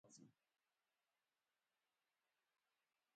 Зегьы сылшо сыҟаӡам.